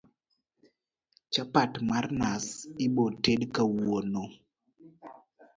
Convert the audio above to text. chapat mar nas iboted kawuono